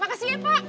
makasih ya pak